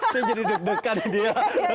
saya jadi deg degan dia